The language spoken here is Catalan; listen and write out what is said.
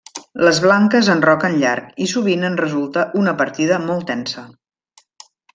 Les blanques enroquen llarg i sovint en resulta una partida molt tensa.